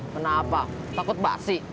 kenapa takut basi